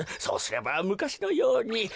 そうすればむかしのように。